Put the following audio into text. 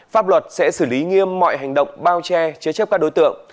pháp luật sẽ xử lý nghiêm mọi hành động bao che chế chấp các đối tượng